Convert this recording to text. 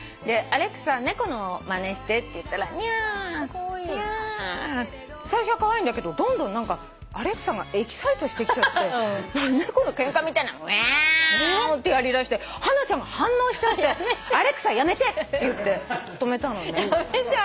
アレクサ猫のまねしてって言ったら「ニャー。ニャー」最初はカワイイんだけどどんどんＡｌｅｘａがエキサイトしてきちゃって猫のケンカみたいな「ミャオー！」ってやりだしてハナちゃんが反応しちゃってアレクサやめてって言って止めたのね。